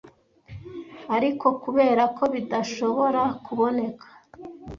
ariko kubera ko bidashobora kuboneka